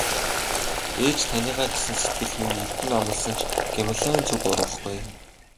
Ээж таныгаа гэсэн сэтгэл минь эрдэнэ амласан ч Гималайн зүг урвахгүй ээ.